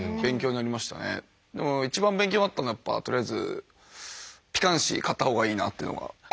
でも一番勉強になったのはやっぱとりあえずピカンシ買った方がいいなというのが。